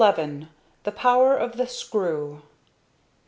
THE POWER OF THE SCREW.